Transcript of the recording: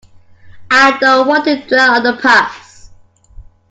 I don't want to dwell on the past.